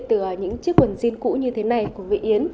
từ những chiếc quần jean cũ như thế này của vị yến